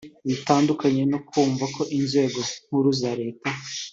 Bitandukanye no kumva ko inzego nkuru za Leta